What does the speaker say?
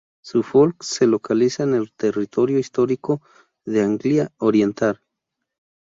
Suffolk se localiza en el territorio histórico de Anglia Oriental.